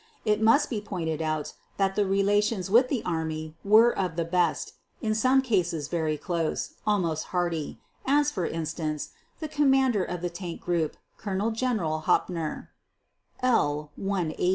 It must be pointed out that the relations with the army were of the best, in some cases very close, almost hearty, as, for instance, the commander of the tank group, Colonel General Hoppner" (L 180). 4.